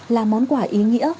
là món quả ý nghĩa